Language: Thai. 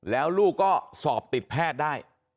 แล้วลูกก็สอบติดแพทย์ได้